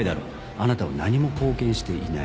あなたは何も貢献していない。